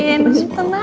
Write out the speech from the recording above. ya ini temaku